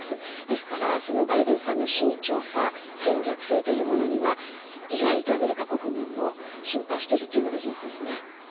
ですから、バイデンさんの慎重さ戦略性というものには意外とアメリカ国民も心配しているというのが事実ですね。